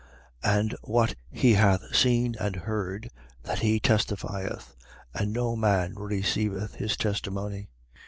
3:32. And what he hath seen and heard, that he testifieth: and no man receiveth his testimony.